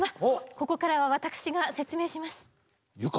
ここからは私が説明します。